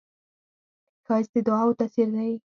ښایست د دعاوو تاثیر لري